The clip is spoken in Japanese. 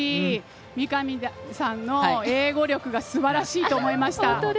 三上さんの英語力がすばらしいと思いました。